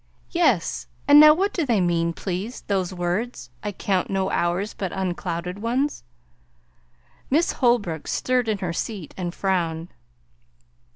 "Yes. And now what do they mean, please, those words, 'I count no hours but unclouded ones'?" Miss Holbrook stirred in her seat and frowned.